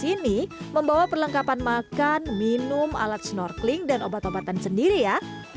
sini membawa perlengkapan makan minum alat snorkeling dan obat obatan sendiri ya